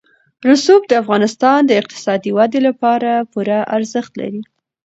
رسوب د افغانستان د اقتصادي ودې لپاره پوره ارزښت لري.